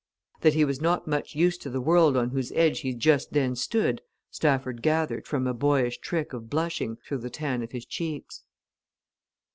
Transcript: That he was not much used to the world on whose edge he just then stood Stafford gathered from a boyish trick of blushing through the tan of his cheeks.